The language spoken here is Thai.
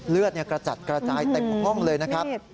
เลือดกระจัดกระจายเต็มห้องเลยนะครับ